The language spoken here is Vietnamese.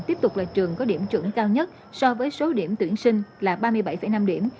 tiếp tục là trường có điểm chuẩn cao nhất so với số điểm tuyển sinh là ba mươi bảy năm điểm